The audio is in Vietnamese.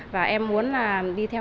và em muốn đi theo học